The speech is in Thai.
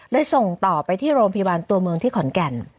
ส่งต่อไปที่โรงพยาบาลตัวเมืองที่ขอนแก่น